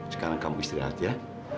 sekarang kamu istirahat ya